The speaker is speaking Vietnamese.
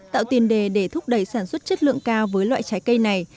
tạo tiền đề để thúc đẩy sản xuất chất lượng cao với loại trái cây này